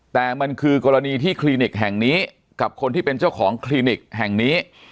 แต่มันคือกรณีที่คลินิกแห่งนี้กับคนที่เป็นเจ้าของคลินิกแห่งนี้